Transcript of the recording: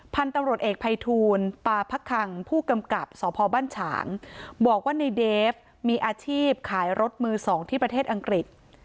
พันธุ์ตำรวจเอกภัยทูลปาพะคังผู้กำกับสพบ้านฉางบอกว่าในเดฟมีอาชีพขายรถมือสองที่ประเทศอังกฤษ